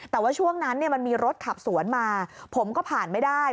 แต่ว่าช่วงนั้นมันมีรถขับสวนมาผมก็ผ่านไม่ได้